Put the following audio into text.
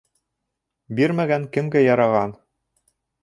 Бирмәгән кемгә яраған?